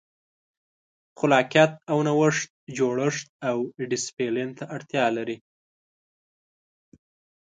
خلاقیت او نوښت جوړښت او ډیسپلین ته اړتیا لري.